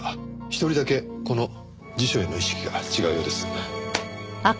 一人だけこの辞書への意識が違うようです。